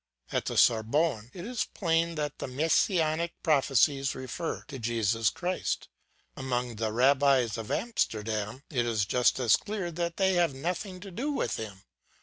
At the Sorbonne it is plain that the Messianic prophecies refer to Jesus Christ. Among the rabbis of Amsterdam it is just as clear that they have nothing to do with him.